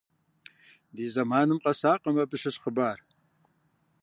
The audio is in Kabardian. Ди зэманым къэсакъым абы щыщ хъыбар.